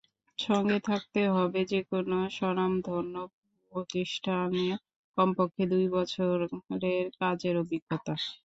সঙ্গে থাকতে হবে যেকোনো স্বনামধন্য প্রতিষ্ঠানে কমপক্ষে দুই বছরের কাজের অভিজ্ঞতা।